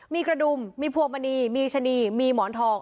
มีกระดุมมีพวงมณีมีชะนีมีหมอนทอง